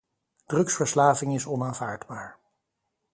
Drugsverslaving is onaanvaardbaar.